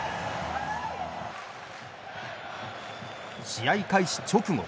試合開始直後